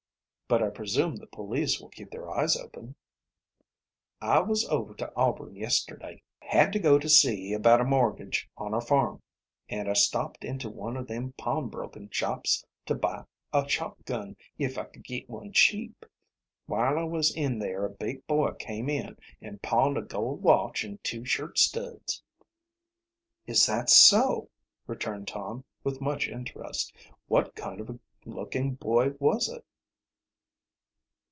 But I presume the police will keep their eyes open." "I was over to Auburn yesterday had to go to see about a mortgage on our farm and I stopped into one of them pawnbrokin' shops to buy a shot gun, if I could git one cheap. While I was in there a big boy came in and pawned a gold watch an' two shirt studs." "Is that so," returned Tom, with much interest. "What kind of a looking boy was it?"